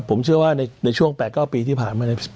ผมเชื่อว่าในช่วงแปดเก้าปีที่ผ่านมา